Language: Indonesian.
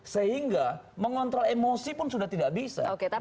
sehingga mengontrol emosi pun sudah tidak bisa